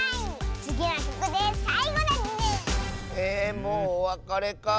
もうおわかれかあ。